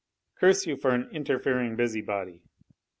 "Curse you for an interfering busybody!